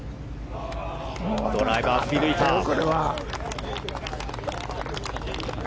ドライバーを振り抜いた。